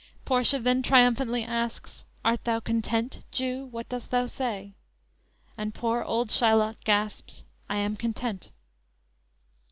Portia then triumphantly asks: "Art thou content, Jew, what dost thou say?" And poor old Shylock gasps: _"I am content."